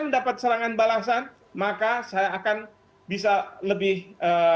mereka juga harus memberi duondan mereka